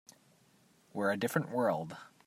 We're a different world.